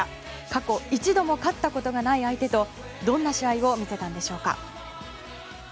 過去１度も勝ったことのない相手とどんな試合を見せたんでしょうか。